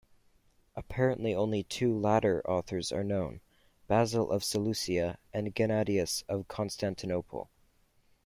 Apparently only two later authors are known: Basil of Seleucia and Gennadius of Constantinople.